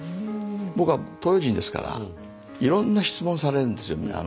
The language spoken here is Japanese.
僕は東洋人ですからいろんな質問されるんですよメディアから。